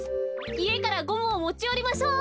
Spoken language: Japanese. いえからゴムをもちよりましょう。